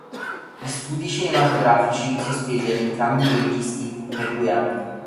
Gli studi cinematografici sospesero entrambi i registi per due anni.